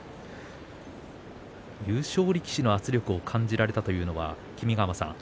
優勝力士の圧力を感じられたというのは君ヶ濱さん